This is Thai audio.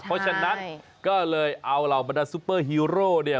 เพราะฉะนั้นก็เลยเอาเหล่าบรรดาซุปเปอร์ฮีโร่เนี่ย